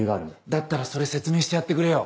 だったらそれ説明してやってくれよ